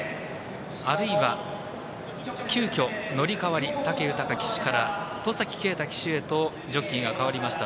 あるいは急きょ、乗り代わり武豊騎手から戸崎圭太騎手へとジョッキーが代わりました。